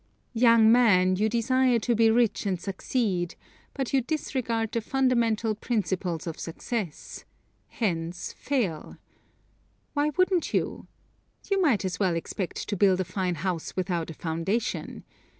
Young man, you desire to be rich and succeed, but you disregard the fundamental principles of success hence fail. Why wouldn't you? You might as well expect to build a fine house without a foundation.